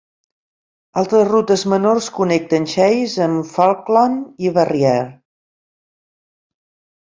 Altres rutes menors connecten Chase amb Falkland i Barriere.